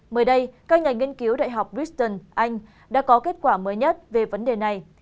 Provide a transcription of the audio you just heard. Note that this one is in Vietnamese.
mới đây các nhà nghiên cứu đại học briston anh đã có kết quả mới nhất về vấn đề này